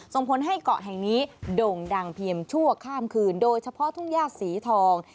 ส่งผลให้เกาะแห่งนี้โด่งดังเพียงชั่วข้ามคืนโดยเฉพาะทุ่งญาติสีทอง